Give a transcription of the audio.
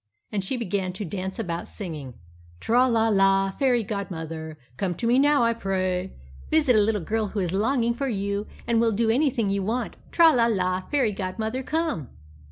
And she began to dance about, singing "Tra la la, fairy godmother, Come to me now, I pray; Visit a little girl who is longing for you And will do anything you want. Tra la la, fairy godmother, come."